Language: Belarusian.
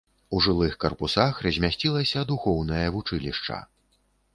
У жылых карпусах размясцілася духоўнае вучылішча.